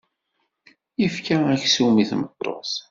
Yefka aksum i tmeṭṭut.